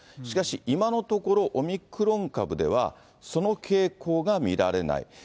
しかし、今のところ、オミクロン株では、その傾向が見られない。